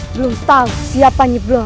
belum tahu siapanya bro